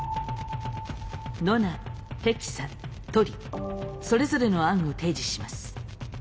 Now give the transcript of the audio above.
ノナヘキサトリそれぞれの案を提示します。